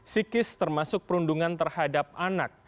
psikis termasuk perundungan terhadap anak